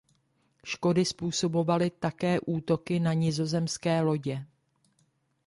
Škody způsobovaly také útoky na nizozemské lodě.